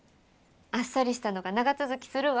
あっさりしたのが長続きするわ。